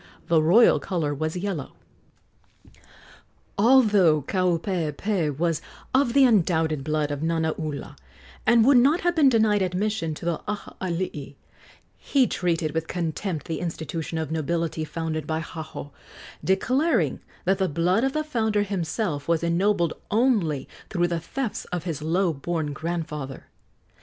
The royal color was yellow. Although Kaupeepee was of the undoubted blood of Nanaula, and would not have been denied admission to the Aha alii, he treated with contempt the institution of nobility founded by Haho, declaring that the blood of the founder himself was ennobled only through the thefts of his low born grandfather.